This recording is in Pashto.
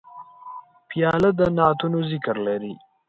پیاله د نعتونو ذکر لري.